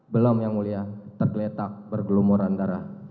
belum yang mulia tergeletak bergelumuran darah